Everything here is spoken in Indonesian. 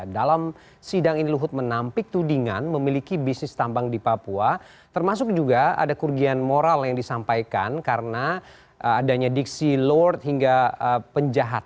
dalam sidang ini luhut menampik tudingan memiliki bisnis tambang di papua termasuk juga ada kerugian moral yang disampaikan karena adanya diksi loward hingga penjahat